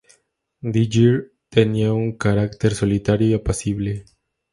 De Geer tenía un carácter solitario y apacible.